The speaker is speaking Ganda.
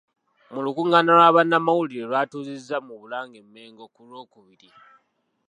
Mu lukungaana lwa bannamawulire lw’atuuzizza mu Bulange e Mmengo ku Lwokubiri.